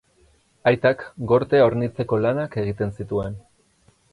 Aitak gortea hornitzeko lanak egiten zituen.